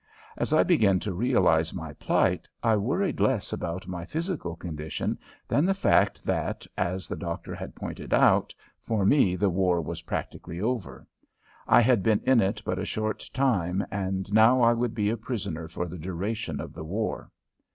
As I began to realize my plight I worried less about my physical condition than the fact that, as the doctor had pointed out, for me the war was practically over. I had been in it but a short time, and now I would be a prisoner for the duration of the war!